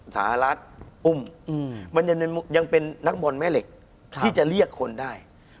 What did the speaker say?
สหรัฐอุ้มมันยังเป็นนักบอลแม่เหล็กที่จะเรียกคนได้